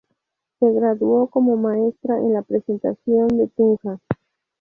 Se graduó como maestra en "La Presentación" de Tunja.